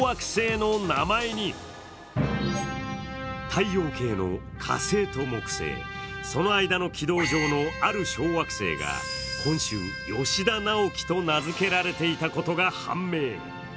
太陽系の火星と木星、その間の軌道上のある小惑星が今週、ヨシダナオキと名付けられていたことが判明。